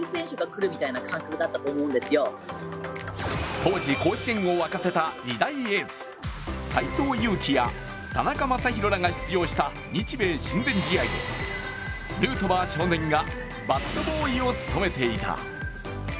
当時、甲子園を沸かせた２大エース、斎藤佑樹や田中将大らが出場した日米親善試合でヌートバー少年がバットボーイを務めていた。